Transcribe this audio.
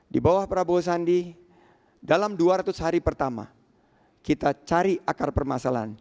di bawah prabowo sandi dalam dua ratus hari pertama kita cari akar permasalahan